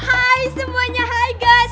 oh hai semuanya hai guys